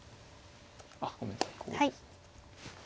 あっごめんなさいこうですね。